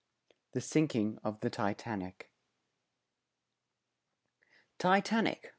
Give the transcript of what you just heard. THE SINKING OF THE TITANIC "Titanic!